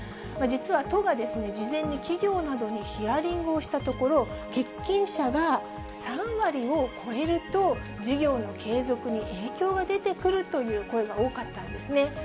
実は、都が事前に企業などにヒアリングをしたところ、欠勤者が３割を超えると、事業の継続に影響が出てくるという声が多かったんですね。